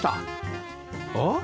あっ！？